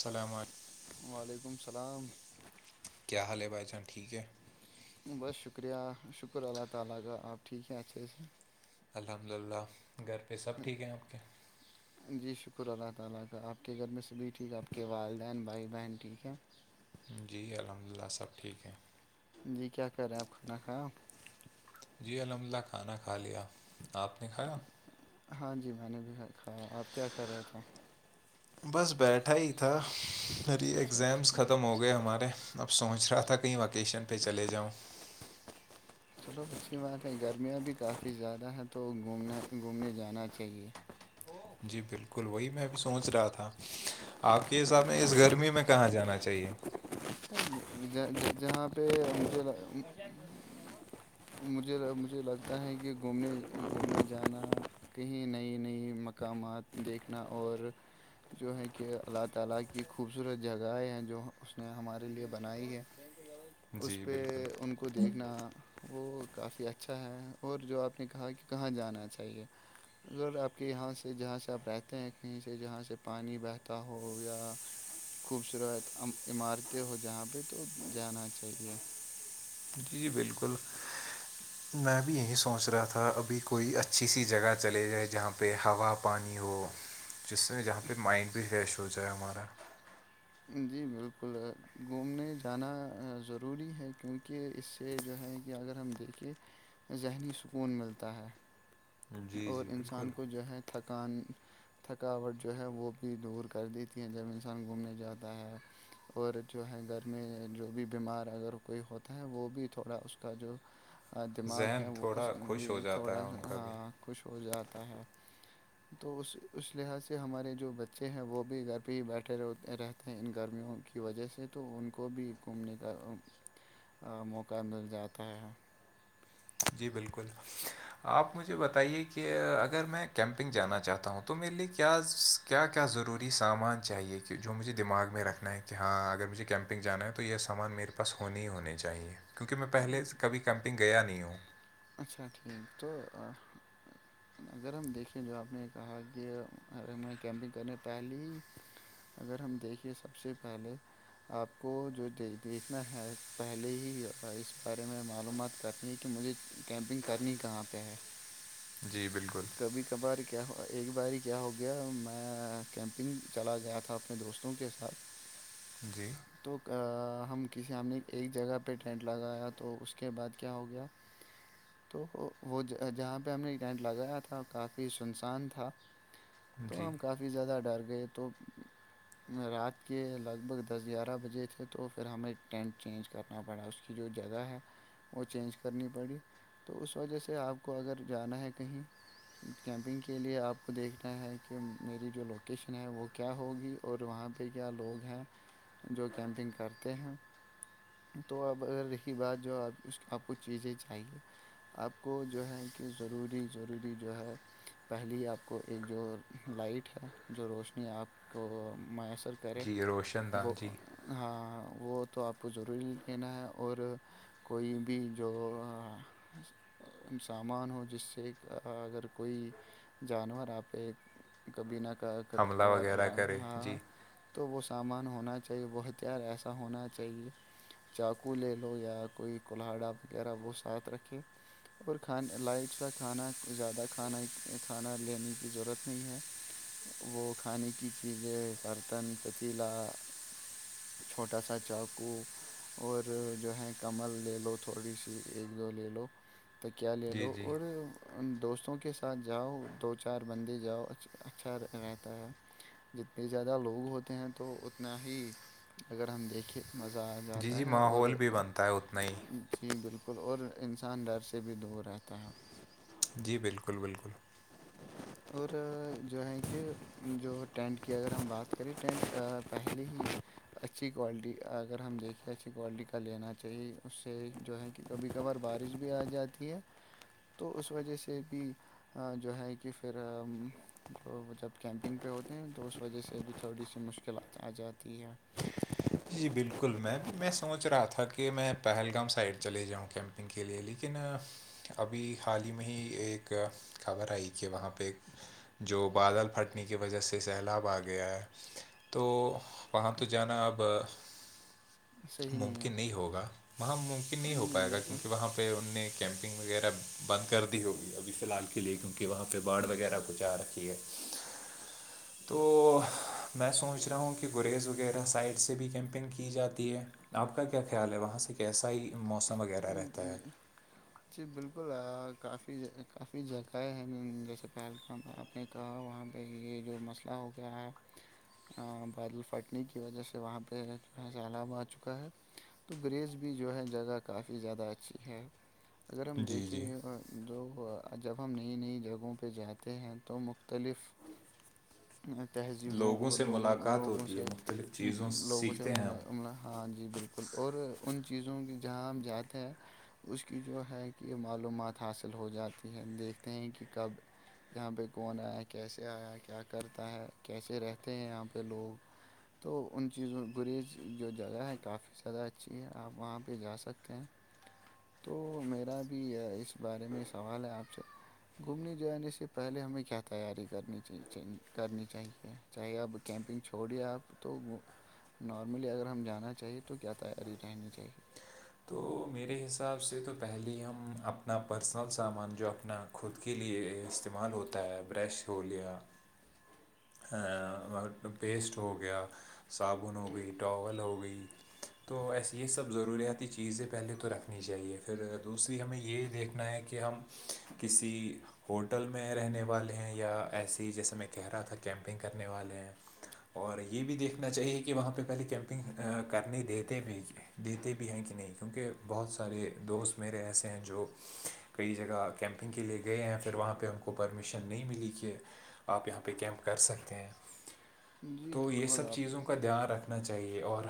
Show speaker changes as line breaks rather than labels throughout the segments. السلام علیکم
وعلیکم السلام
کیا حال ہے بھائی جان ٹھیک ہے
بہت شکریہ شکر اللہ تعالی کا اپ ٹھیک ہیں اچھے سے
الحمد للہ گھر پہ سب ٹھیک ہیں آپ کے
جی شکر اللہ تعالی کا اپ کے گھر میں سبھی ٹھیک اپ کی والدین بھائی بہن ٹھیک ہیں
جی الحمد للہ سب ٹھیک ہیں
جی کیا کر رہے ہیں آپ کھانا کھایا
جی الحمدلہ کھانا کھا لیا آپ نے کھایا
ہاں جی میں نے بھی کھایا آپ کیا کر رہے تھے
بس بیٹھا ہی تھا میری
اچھا
ایگزامس
ٹھیک
ختم ہو گئے گئے ہمارے اب سوچ رہا تھا کہیں وکیشن پہ چلے جاؤں
چلو اچھی بات ہے گرمیاں بھی کافی زیادہ ہیں تو گھومنے گھومنے جانا چاہیے
جی بالکل وہی میں بھی سوچ رہا تھا آپ کے حساب میں اس گھر گرمی میں کہاں جانا چاہیے
جہاں پہ مجھے مجھے مجھے لگتا ہے کہ گھومنے گھومنا جانا کہیں نئی نئی مقامات دیکھنا اور جو ہے کہ اللہ تعالی کی خوبصورت جگہیں ہیں جو اس نے ہمارے لیے بنائی ہے اس
جی
پہ
بالکل
ان کو کو دیکھنا وہ کافی اچھا ہے اور جو آپ نے کہا کہ کہاں جانا چاہیے اگر آپ کے یہاں سے جہاں سے آپ رہتے ہیں کہیں سے جہاں سے پانی بہتا ہو یا خوبصورت عمارتیں ہوں جہاں پہ تو جانا چاہیے
جی جی بالکل میں بھی یہی سوچ رہا تھا ابھی کوئی اچھی سی جگہ چلے جائے جہاں پہ ہوا پانی ہو جس سے جہاں پہ مائنڈ بھی فریش ہو جائے ہمارا
جی بالکل گھومنے جانا ضروری ہے کیونکہ اس سے جو ہے کہ اگر ہم دیکھیں ذہنی سکون ملتا ہے
جی
اور
جی بالکل
انسان کو جو ہے تھکان تھکاوٹ جو ہے وہ بھی دور کر دیتی ہے جب انسان گھومنے جاتا ہے اور جو ہے گھر میں جو بھی بیمار ہے اگر کوئی ہوتا ہے وہ بھی تھوڑا اس کا جو دماغ ہے
ذہن
وہ اس
تھوڑا خوش
بھی
ہو جاتا ہے
تھوڑا سا
ان کا بھی
ہ خوش ہو جاتا ہے تو اس اس لحاظ سے ہمارے جو بچے ہیں وہ بھی گھر پہ ہی بیٹھے رہ رہتے ان گرمیوں کی وجہ سے تو ان کو بھی گھومنے کا موقع مل جاتا ہے
جی بالکل آپ مجھے بتائیے کہ اگر میں کیمپنگ جانا چاہتا ہوں تو میرے لیے کیا کیا کیا ضروری سامان چاہیے کہ جو مجھے دماغ میں رکھنا ہے کہ ہاں اگر مجھے کیمپ کیمپنگ جانا ہے تو یہ سامان میرے پاس ہونی ہی ہونے چاہیے کیونکہ میں پہلے سے کبھی کیمپنگ گیا نہیں ہوں
اچھا ٹھیک تو اگر ہم دیکھیں جو آپ نے کہا کہ ا ہمیں کیمپنگ کرنے پہلی اگر ہم دیکھیں سب سے پہلے آپ کو جو د دیکھنا ہے پہلے ہی اس بارے میں معلومات کرنی ہے کہ مجھے کیمپنگ کرنی کہاں پہ ہے
جی بالکل
کبھی کبھار کیا ایک بار کیا ہو گیا میں کیمپنگ چلا گیا تھا اپنے دوستوں کے ساتھ
‌جی
تو ہم کسی ہم نے ایک جگہ پہ ٹینٹ لگایا تو اس کے بعد کیا ہو گیا
[inaudible]
تو وہ جہاں پہ ہم نے ٹینٹ لگایا تھا کافی سنسان تھا
[inaudible]
تو ہم کافی زیادہ ڈر گئے تو رات کے لگ بھگ دس گیارہ بجے تھے تو پھر ہمیں ٹینٹ چینج کرنا پڑا اس کی جو جگہ ہے وہ چینج کرنی پڑی تو اس وجہ سے آپ کو اگر جانا ہے کہیں کیمپنگ کے لیے آپ کو دیکھنا ہے کہ میری جو لوکیشن ہے وہ کیا ہوگی اور وہاں پہ کیا لوگ ہیں جو کیمپنگ کرتے ہیں تو اب اگر رہی بات جو آپ اس آپ کو چیزیں چاہیے آپ کو جو ہے کہ ضروری ضروری جو ہے پہلی آپ کو ایک جو لائٹ ہے جو روشنی آپ کو میسر کرے
گوش
وہ ہاں وہ تو آپ کو ضرور لینا ہے اور کوئی بھی جو سامان ہو جس سے اگر کوئی جانور آپ پہ کبھی نہ کہ کبھی
حملہ
کبھار
وغیرہ
الان
کرے جی
رہا تو وہ سامان ہونا چاہیے بہت یار ایسا ہونا چاہیے چاقو لے لو یا کوئی کولہاڑا وغیرہ وہ ساتھ رکھے اور کھانا لائٹ سا کھانا زیادہ کھانا کھانا لینے کی ضرورت نہیں ہے وہ کھانے کی چیزیں برتن پتیلا چھوٹا سا چاقو اور جو ہے کمل لے لو تھوڑی سی ایک دو لے لو تو کیا لے
جی
لو
جی
اور ان دوستوں کے ساتھ جاؤ دو چار بندے جاؤ اچھا رہتا ہے جتنے زیادہ لوگ ہوتے ہیں تو اتنا ہی اگر ہم دیکھیں مزہ آ
جی جی
جاتا ہے اور
ماحول بھی بنتا ہے اتنا ہی
جی بالکل اور انسان ڈر سے بھی دور رہتا ہے
جی بالکل بالکل
اور جو ہے کہ جو ٹینٹ کی اگر ہم بات کریں ٹینٹ پہلیے ہی اچھی کوالٹی اگر ہم دیکھیں اچھی کوالٹی کا لینا چاہیے اس سے جو ہے کہ کبھی کبھار بارش بھی آ جاتی ہے تو اس وجہ سے بھی جو ہے کہ پھر جو جب کیمپنگ پہ ہوتے ہیں تو اس وجہ سے بھی تھوڑی سی مشکلاتیں آ جاتی ہیں
جی بالکل میم میں سوچ رہا تھا کہ میں پہلگام سائڈ چلے جاؤں کیمپ نگ کے لیے لیکن ابھی حال ہی میں ہی ایک خبر آئی کہ وہاں پہ جو بادل پھٹنے کی وجہ سے سیلاب آ گیا ہے تو وہاں تو جانا اب
صحیح ہے
ممکن نہیں ہوگا وہاں ممکن نہیں ہو
جی
پائے گا
بالکل
کیونکہ وہاں پہ ان نے کیمپنگ وغیرہ بند کر دی ہوگی ابھی فی الحال کے لیے کیونکہ وہاں پہ باڑھ وغیرہ کو جا رکھی ہے تو میں سوچ رہا ہوں کہ گریز وغیرہ سائڈ سے بھی کیم کیمپنگ کی جاتی ہے آپ کا کیا خیال ہے وہاں سے کیسا ہی موسم وغیرہ رہتا ہے
جی
[inaudible]
جی بالکل کافی کافی جگہیں ہیں جیسے پہلگام ہے آپ نے کہا وہاں پہ یہ جو مسئلہ ہو گیا ہے بادل پھٹنے کی وجہ سے وہاں پہ جو ہے سیلاب آ چکا ہے تو گریز بھی جو ہے جگہ کافی زیادہ اچھی ہے اگر ہم
جی جی
دیکھیں جو جب ہم نئی نئی جگہوں پہ جاتے ہیں تو مختلف تہذیبوں
لوگوں
اور
سے
لوگوں
ملاقات
لوگوں
ہوتی ہے
سے
مختلف چیزوں
لوگوں سے
سیکھتے ہیں ہم
ملا ہاں جی بالکل اور ان چیزوں کی جہاں ہم جاتے ہیں اس کی جو ہے کہ معلومات حاصل ہو جاتی ہے دیکھتے ہیں کہ کب یہاں پہ کون آیا کیسے آیا کیا کرتا ہے کیسے رہتے ہیں یہاں پہ لوگ تو ان چیزوں گریز جو جگہ ہے کافی زیادہ اچھی ہے آپ وہاں پہ جا سکتے ہیں تو میرا بھی اس بارے میں سوال ہے آپ سے گھومنے جانے سے پہلے ہمیں کیا تیاری کرنی چی کرنی چاہیے چاہے اب کیمپنگ چھوڑیے آپ تو نارملی اگر ہم جانا چاہیے تو کیا تیاری رہنی چاہیے
تو مے [inaudible] میرے حساب سے تو پہلے ہم اپنا پرسنل سامان جو اپنا خود کے لیے استعمال ہوتے پتا ہے برش ہو لیا پیسٹ ہو گیا صابون ہو گئی ٹاول ہو گئی تو ایسے یہ سب ضروریاتی چیزیں پہلے تو رکھ رکھنی چاہیے پھر دوسری ہمیں یہ دیکھنا ہے کہ ہم کسی ہوٹل میں رہنے والے ہیں یا ایسی جیسے میں کہہ رہا تھا کیمپنگ کرنے والے ہیں اور یہ بھی دیکھنا چاہیے کہ وہاں پہ پہلے کیمپنگ کرنے دیتے بھی دیتے بھی ہیں کہ نہیں کیونکہ بہت سارے دوست میرے ایسے ہیں جو کئی جگہ کیمپنگ کے لیے گئے ہیں پھر وہاں پہ ہم کو پرمیشن نہیں ملی کہ آپ یہاں پہ کیمپ کر سکتے ہیں
جی
تو یہ
بالکل
سب
آپ
چیزوں کا دھیان رکھے [inaudible] نا چاہیے اور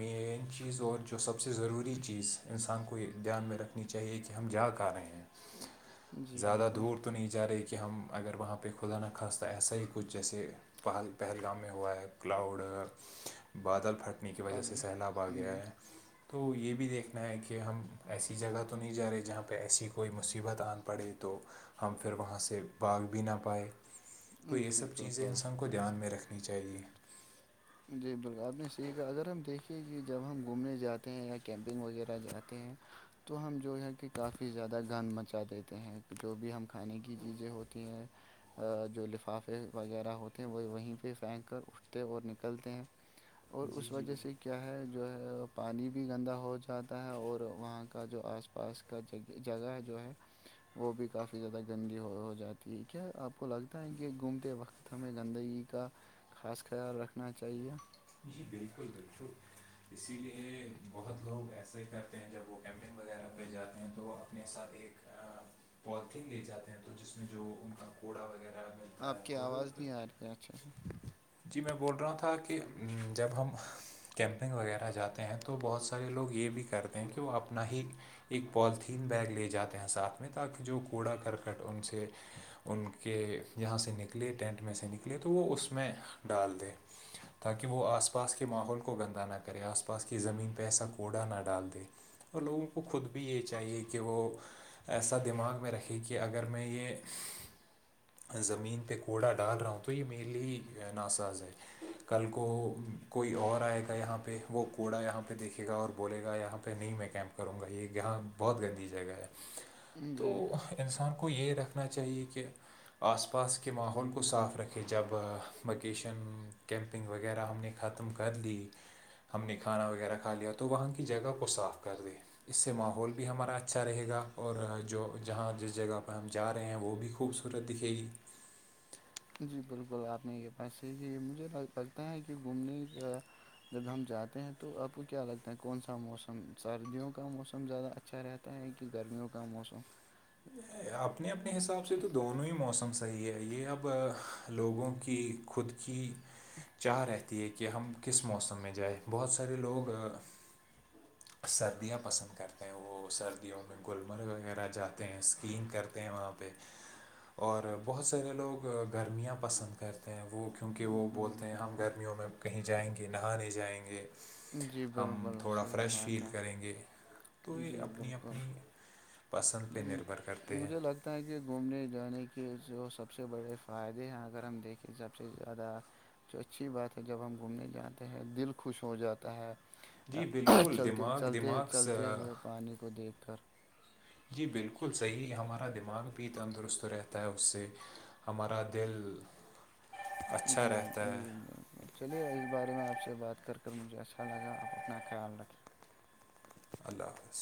مین چیز جو سب سے ضروری [inaudible] انسان کو دھیان میں رکھنا چاہیے کہ ہم جا کہاں رہے ہیں
جی
زیادہ
بالکل
دور تو نہیں جا رہے کہ ہم اگر وہاں پہ خدا نخواستہ ایسا ہی کچھ جیسے پل پہلگام میں ہوا ہے کلاؤڈ بادل پھٹ کی وجہ سے سیلاب
بات-
[inaudible]
جی
گیا ہے تو یہ بھی دیکھ دیھکنا ہے کہ ہم ایسی جگہ تو نہیں جا رہے جہاں پہ ایسی کوئی مصیبت آن پڑے تو ہم پھر وہاں سے باغ بھی نہ پائے تو یہ
جی
سب چیزیں
بالکل
انسان کو کو دھیان میں رکھنی چاہیے
جی بالکل آپ نے سیہی کہا اگر ہم دیکھے کے جب ہم گھومنے جاتے ہیں یا کیمپنگ وغیرہ جاتے ہیں تو ہم جو ہے کہ کافی زیادہ گان مچا دیتے ہیں جو بھی ہم کھانے کی چیزیں ہوتی ہیں جو لفافے وغیرہ ہوتے ہیں وہ وہیں پہ پھینک کر اٹھتے اور نک نکلتے ہیں اور
جی
اس
جی
وجہ
بولیے
سے کیا ہے جو ہے پانی بھی گندا ہو جاتا ہے اور وہاں کا جو آس پاس کا جگہ جو ہے وہ بھی کافی زیادہ گندی ہو جاتی ہے کیا آپ کو لگتا ہے کہ گھومتے وقت ہمیں گندگی کا خاص خیال رکھنا چاہیے
جی بالکل بالکل اسی لیے بہت لوگ ایسا ہی کرتے ہیں جب وہ کیمپنگ وغیرہ پہ جاتے ہیں تو اپنے ساتھ ایک پالتھیین لے جاتے ہیں تو جس میں جو ان کا کوڑا وغیرہ ملتا
آپ
ہے
کی
تو وہ
آواز
پھر
نہیں آ رہی ہے اچھے سے
جی میں بول رہا تھا کہ جب ہم کیمپنگ وغیرہ جاتے ہیں تو بہت سارے لوگ یہ بھی کرتے ہیں کہ وہ اپنا ہی ایک پالیتھیین بیگ لے جاتے ہیں ساتھ میں تاکہ جو کوڑا کرکٹ ان سے ان کے یہاں سے نکلے ٹینٹ میں سے نکلے تو وہ ا میں ڈال دے تاکہ وہ آس پاس کے ماحول کو گند نہ کرے آس پاس کی زمین پہ ایسا کوڑا نہ ڈال دے اور لوگوں کو خود بھی یہ چاہیے کہ وہ ایسا دماغ میں رکھے کہ اگر میں یہ زمین پہ کوڑا ڈال رہا ہوں تو یہ مینلی ناساز ہے کل کو کوئی اور آئے گا یہاں پہ وہ کوڑا یہاں پہ دیکھے گا اور بولے گا یہاں پہ نہیں میں کیمپ کروں گا یہ یہاں بہت گندی جگہ ہے تو
جی
انسان کو یہ رکھنا چاہیے کہ آس پاس کے ماحول کو صاف رکھے جب وکیشن کیمپ کپنگ وغیرہ ہم نے ختم کر لی ہم نے کھانا وغیرہ کھا لیا تو وہاں کی جگہ کو صاف کر دی اس سے ماحول بھی ہمارا اچھا رہے گا اور جو جہاں جس جگہ پہ ہم جا رہے ہیں وہ بھی خوبصور دکھھیے
جی بالکل آپ نے یہ پس مجھے لگتا ہے کہ گھومنے کا جب ہم جاتے ہیں تو آپ کو کیا لگتا ہے کون سا موسم سردیوں کا موسم زیادہ اچھا رہتا تا ہے کہ گرمیوں کا موسم
اپنے اپنے حساب سے تو دونوں ہی موسم صحیح ہے یہ اب لوگوں کی خود کی چاہ رہتی ہے کہ ہم کس موسم میں جائیں بہت سارے لوگ سردیاں پسند کرتے ہیں وہ سردیوں میں گلمرگ وغیرہ جاتے ہیں اس کے تین کرتے ہیں وہاں پہ اور بہت سارے لوگ گرمیاں پسند کرتے ہیں وہ کیونکہ وہ
جی
بولتے ہیں ہم
بالکل
گرمیوں میں کہیں جائیں گے نہانے جائیں گے
جی
ہم
بالکل
تھوڑا
صحیح
فریش
بات
فیل
ہے
کریں گے تو یہ
جی
اپنی
بالکل
اپنی پسند پہ
جی
نربھر
مجھ-
کرتے ہیں
مجھے لگ لگتا ہے کہ گھومنے جانے کے جو سب سے بڑے فائدے ہیں اگر ہم دیکھیں سب سے زیادہ جو اچھی بات ہے جب ہم گھومنے جاتے ہیں دل خوش ہو جاتا ہے
جی بالکل
چلتے
دماغ
چلتے
دماغ سے
چلتے ہوئے پانی کو دیکھ کر
جی بالکل صحیح ہمارا دماغ بھی تندرست رہتا ہے اس سے ہمارا دل اچھا
جی
رہتا ہے
جیی چلیے اس بارے میں آپ سے بات کر کر مجھے اچھا لگا آپ اپنا خیال رکھیں
اللہ حافظ